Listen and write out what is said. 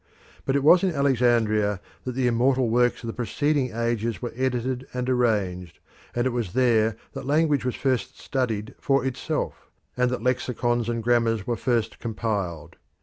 But it was in Alexandria that the immortal works of the preceding ages were edited and arranged, and it was there that language was first studied for itself, and that lexicons and grammars were first compiled.